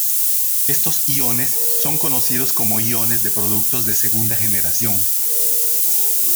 Estos iones son conocidos como iones de productos de segunda generación.